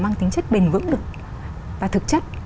mang tính chất bền vững được và thực chất